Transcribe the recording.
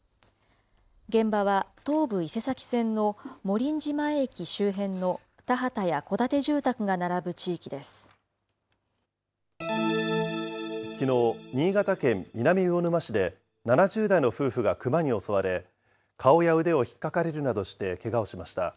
現場は東武伊勢崎線の茂林寺前駅周辺の田畑や戸建て住宅が並ぶ地きのう、新潟県南魚沼市で７０代の夫婦がクマに襲われ、顔や腕をひっかかれるなどしてけがをしました。